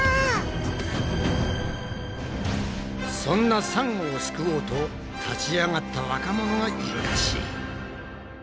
そんなサンゴを救おうと立ち上がった若者がいるらしい！